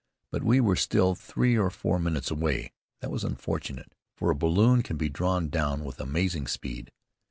But we were still three or four minutes away. That was unfortunate, for a balloon can be drawn down with amazing speed.